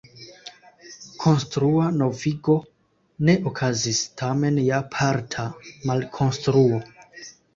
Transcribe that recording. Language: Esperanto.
Konstrua novigo ne okazis, tamen ja parta malkonstruo.